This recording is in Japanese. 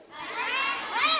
はい！